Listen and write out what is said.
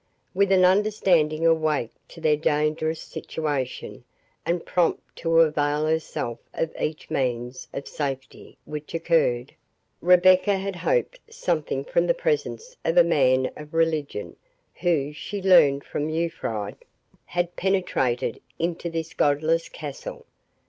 With an understanding awake to their dangerous situation, and prompt to avail herself of each means of safety which occurred, Rebecca had hoped something from the presence of a man of religion, who, she learned from Urfried, had penetrated into this godless castle.